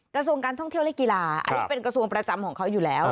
กระทรวงการท่องเที่ยวและกีฬาอันนี้เป็นกระทรวงประจำของเขาอยู่แล้ว